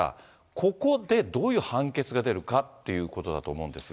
ここでどういう判決が出るかっていうことだと思うんですが。